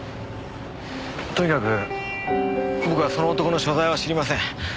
とにかく僕はその男の所在は知りません。